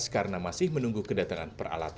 karena masih berjalan